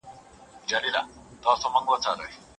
مُلا به بدل نه سي او چړیان به بدل نه سي